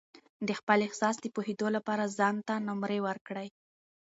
د خپل احساس د پوهېدو لپاره ځان ته نمرې ورکړئ.